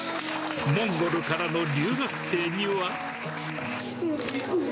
モンゴルからの留学生には。